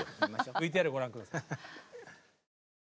ＶＴＲご覧下さい。